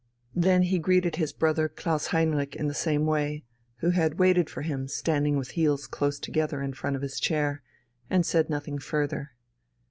Then he greeted his brother Klaus Heinrich in the same way, who had waited for him standing with heels close together in front of his chair and said nothing further.